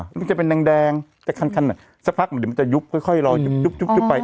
อ่ามันจะเป็นแดงแดงแต่คันคันเนี้ยสักพักมันจะยุบค่อยค่อยรอยุบยุบยุบยุบไป